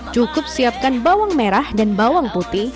cukup siapkan bawang merah dan bawang putih